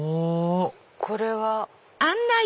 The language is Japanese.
これは。